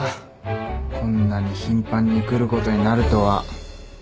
こんなに頻繁に来ることになるとは。